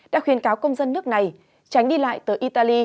đã khuyên cáo công dân nước này tránh đi lại tới italy